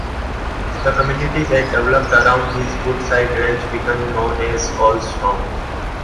The community that developed around his Woodside ranch became known as Cowlestown.